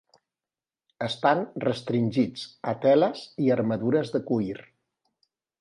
Estan restringits a teles i armadures de cuir.